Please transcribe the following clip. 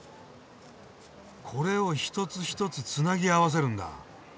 これを１つ１つつなぎ合わせるんだ。